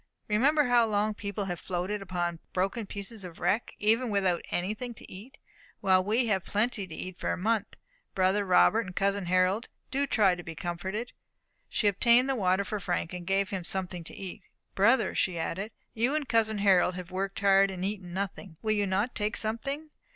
Remember how long people have floated upon broken pieces of a wreck, even without anything to eat, while we have plenty to eat for a month. Brother Robert and cousin Harold, do try to be comforted." She obtained the water for Frank, and gave him something to eat. "Brother," she added, "you and cousin Harold have worked hard, and eaten nothing. Will you not take something?